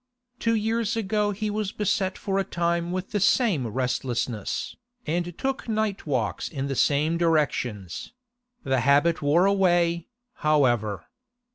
Two years ago he was beset for a time with the same restlessness, and took night walks in the same directions; the habit wore away, however.